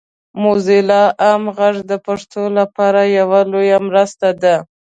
موزیلا عام غږ د پښتو لپاره یوه لویه مرسته ده.